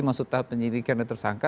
masuk tahap penyidikan dan tersangka